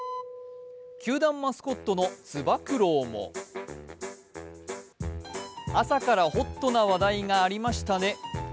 球団マスコットのつば九郎も朝からＨＯＴな話題がありましたねと